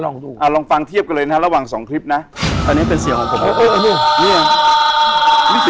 ลองดูอ่าลองฟังเทียบกันเลยนะระหว่างสองคลิปนะอันนี้เป็นเสียงของผมอ๋ออันนี้